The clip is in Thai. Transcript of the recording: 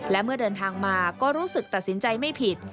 และเมื่อเดินทางมาก็รู้สึกตัดสินใจไม่ผิด